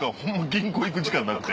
銀行行く時間なくて。